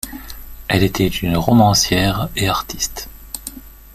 Elle était une romancière et artiste.